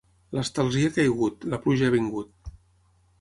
L'estalzí ha caigut, la pluja ha vingut.